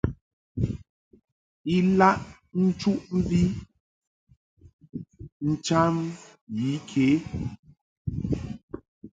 Ilaʼ nchuʼmvi cham yi ke.